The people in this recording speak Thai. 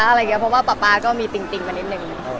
เพราะว่าป๊าป๊าก็มีติ่งมานิดนึง